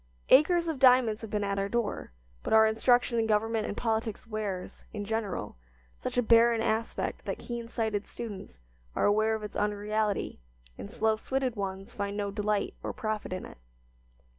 Acres of diamonds have been at our door, but our instruction in government and politics wears, in general, such a barren aspect that keen sighted students are aware of its unreality and, slow switted ones find no delight or profit in it.